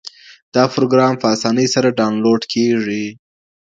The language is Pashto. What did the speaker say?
دا پروګرام په اسانۍ سره ډاونلوډ کيږي.